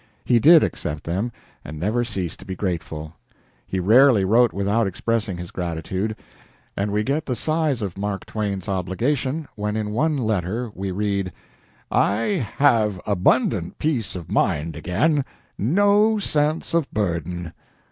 He did accept them, and never ceased to be grateful. He rarely wrote without expressing his gratitude, and we get the size of Mark Twain's obligation when in one letter we read: "I have abundant peace of mind again no sense of burden.